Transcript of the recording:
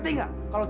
usir dari sini